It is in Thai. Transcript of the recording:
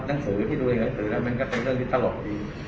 นับสาวให้พี่ดูอีกนับสาวอีกนั้นก็เป็นเรื่องที่ตลกดี